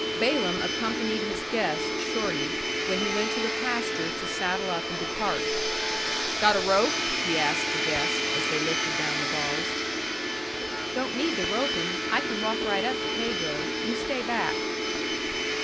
Balaam accompanied his guest, Shorty, when he went to the pasture to saddle up and depart. "Got a rope?" he asked the guest, as they lifted down the bars. "Don't need to rope him. I can walk right up to Pedro. You stay back."